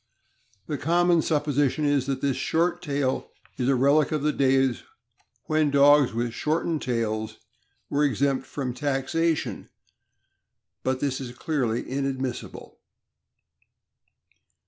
..The common supposition is that this short tail is a relic of the days when dogs with shortened tails were exempt from taxation, but this is clearly inadmissible.